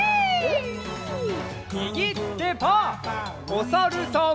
おさるさん。